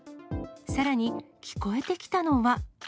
さらに、聞こえてきたのは。